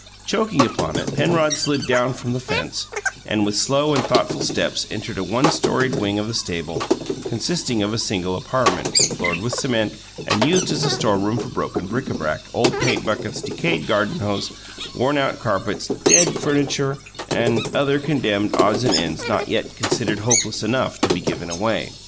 Choking upon it, Penrod slid down from the fence, and with slow and thoughtful steps entered a one storied wing of the stable, consisting of a single apartment, floored with cement and used as a storeroom for broken bric a brac, old paint buckets, decayed garden hose, worn out carpets, dead furniture, and other condemned odds and ends not yet considered hopeless enough to be given away.